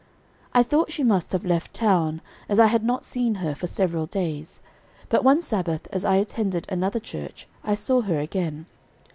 I thought she must have left town, as I had not seen her for several days; but one Sabbath, as I attended another church, I saw her again.